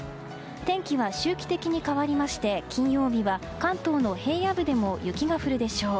天気は周期的に変わりまして金曜日は関東の平野部でも雪が降るでしょう。